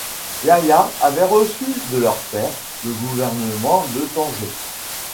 Yahyâ avait reçu de leur père, le gouvernement de Tanger.